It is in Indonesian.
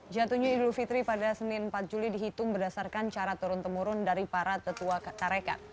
jatuhnya idul fitri pada senin empat juli dihitung berdasarkan cara turun temurun dari para tetua tarekat